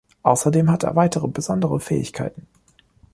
Außerdem hat er weitere besondere Fähigkeiten.